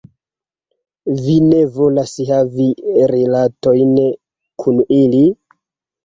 Vi ne volas havi rilatojn kun ili?